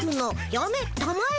やめたまえ。